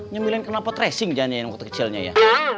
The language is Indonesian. nyembilin kenapa tracing jangan jahit waktu kecilnya ya